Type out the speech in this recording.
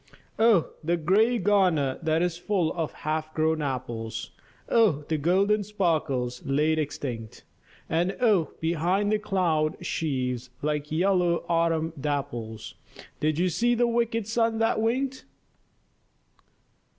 Oh, the grey garner that is full of half grown apples, Oh, the golden sparkles laid extinct ! And oh, behind the cloud sheaves, like yellow autumn dapples, Did you see the wicked sun that winked?